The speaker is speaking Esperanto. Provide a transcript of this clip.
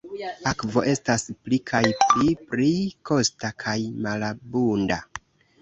Akvo estas pli kaj pli pli kosta kaj malabunda.